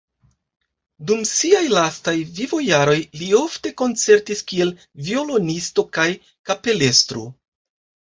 Dum siaj lastaj vivojaroj li ofte koncertis kiel violonisto kaj kapelestro.